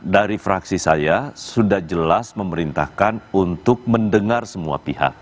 dari fraksi saya sudah jelas memerintahkan untuk mendengar semua pihak